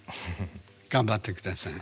頑張って下さい。